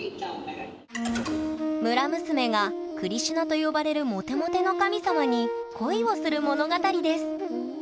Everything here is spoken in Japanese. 村娘がクリシュナと呼ばれるモテモテの神様に恋をする物語です。